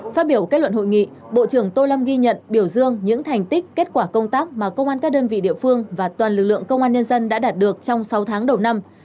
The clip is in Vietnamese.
phát biểu kết luận hội nghị bộ trưởng tô lâm ghi nhận biểu dương những thành tích kết quả công tác mà công an các đơn vị địa phương và toàn lực lượng công an nhân dân đã đạt được trong sáu tháng đầu năm